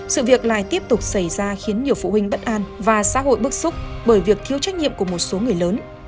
sự việc lại tiếp tục xảy ra khiến nhiều phụ huynh bất an và xã hội bức xúc bởi việc thiếu trách nhiệm của một số người lớn